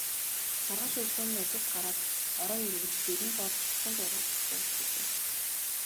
Маргааш өглөө нь ажилд гараад орой ирвэл дэрэн доор бяцхан зурвас байж билээ.